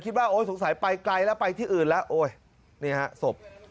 โอ๊ยสงสัยไปไกลแล้วไปที่อื่นแล้วโอ้ยนี่ฮะศพ